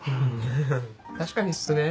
確かにっすね。